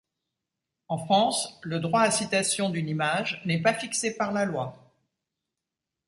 En France, le droit à citation d'une image n'est pas fixé par la loi.